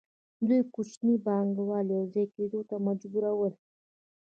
دوی کوچني پانګوال یوځای کېدو ته مجبورول